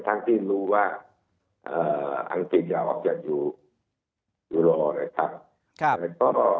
ทั้งที่รู้ว่าอังกฤษยาวอัพยัตริย์อยู่รอเลยครับ